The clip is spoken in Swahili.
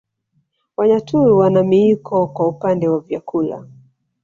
Wanyaturu wana miiko kwa upande wa vyakula